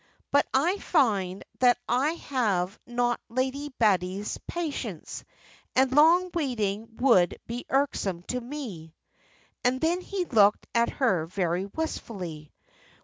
But I find that I have not Lady Betty's patience, and long waiting would be irksome to me." And then he looked at her very wistfully.